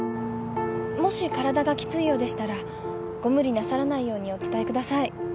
もし体がきついようでしたらご無理なさらないようにお伝えください。